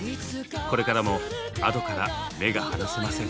これからもＡｄｏから目が離せません。